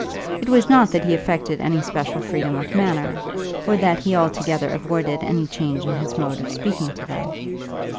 It was not that he affected any special freedom of manner, or that he altogether avoided any change in his mode of speaking to them.